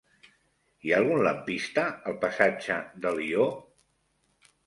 Hi ha algun lampista al passatge d'Alió?